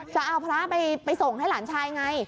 จะเอาพระไปส่งให้หลานชายไง